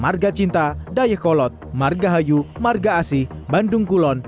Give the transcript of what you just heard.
marga cinta dayekolot marga hayu marga asih bandung kulon